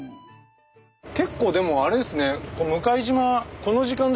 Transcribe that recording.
結構でもあれですね。